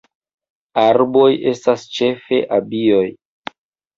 Arboj estas ĉefe abioj.